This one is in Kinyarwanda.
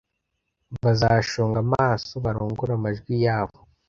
bazashonga amaso barongore amajwi yabo